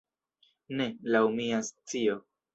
Ne, laŭ mia scio.